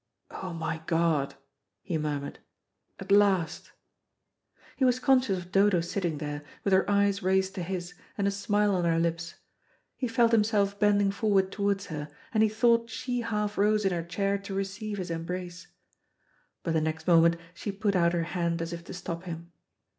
"Oh, my God," he murmured, "at last." He was conscious of Dodo sitting there, with her eyes raised to his, and a smile on her lips. He felt himself bending forward towards her, and he thought she half rose in her chair to receive his embrace. But the next moment she put out her hand as if to stop him.